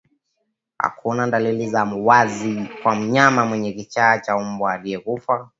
Hakuna dalili za wazi kwa mnyama mwenye kichaa cha mbwa aliyekufa